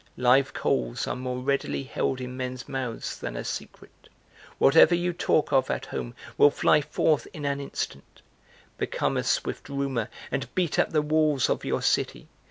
Live coals are more readily held in men's mouths than a secret! Whatever you talk of at home will fly forth in an instant, Become a swift rumor and beat at the walls of your city.